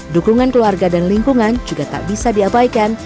dukungan keluarga dan lingkungan juga tak bisa diabaikan